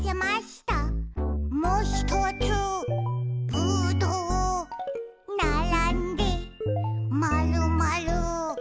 「もひとつぶどう」「ならんでまるまる」